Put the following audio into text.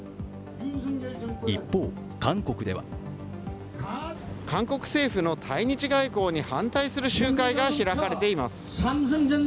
一方、韓国では韓国政府の対日外交に反対する集会が開かれています。